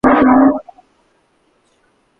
মর্গে ধর্মঘট চলছে।